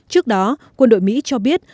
trước đó quân đội mỹ cho biết